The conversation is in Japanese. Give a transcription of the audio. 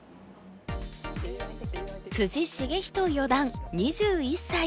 篤仁四段２１歳。